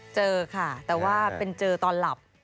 เจอค่ะแต่ว่าเป็นเจอตอนหลับ